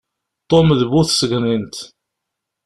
Tom d bu tṣegnint.